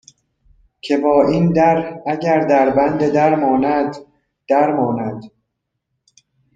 که با این در اگر دربند در ماند، در ماند